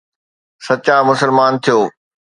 سچا مسلمان ٿيو